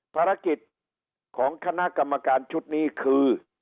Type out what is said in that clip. ภารกิจของคณะกรรมการชุดนี้คือ